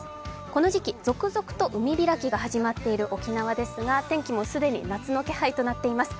この時期、続々と海開きが始まっている沖縄ですが天気も既に夏の気配となっています。